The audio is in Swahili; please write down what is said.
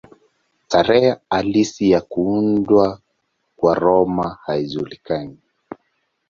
Tarehe halisi ya kuundwa kwa Roma haijulikani.